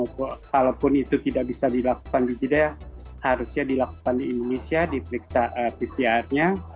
kalaupun itu tidak bisa dilakukan di jeddah harusnya dilakukan di indonesia diperiksa pcr nya